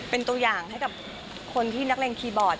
เป็นตัวอย่างให้กับคนที่นักเลงคีย์บอร์ด